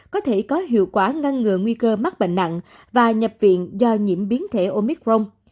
có thể có hiệu quả ngăn ngừa nguy cơ mắc bệnh nặng và nhập viện do nhiễm biến thể omicron